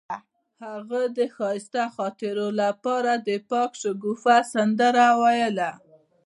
هغې د ښایسته خاطرو لپاره د پاک شګوفه سندره ویله.